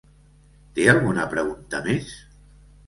Té alguna pregunta més?